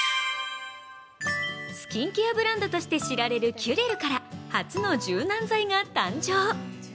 スキンケアブランドとして知られるキュレルから初の柔軟剤が誕生。